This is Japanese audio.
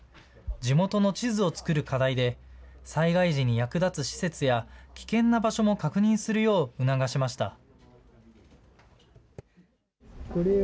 地元の地図を作る課題で、災害時に役立つ施設や、危険な場所も確認するよう促しました。